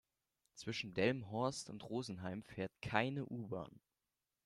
Zwischen Delmenhorst und Rosenheim fährt keine U-Bahn